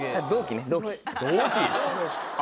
同期？